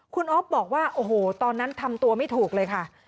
คุณอ๊อฟบอกว่าโอ้โหตอนนั้นทำตัวไม่ถูกเลยค่ะ